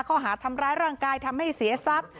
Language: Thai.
ข้อหาทำร้ายร่างกายทำให้เสียทรัพย์